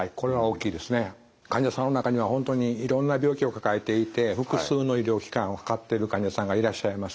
患者さんの中には本当にいろんな病気を抱えていて複数の医療機関をかかっている患者さんがいらっしゃいます。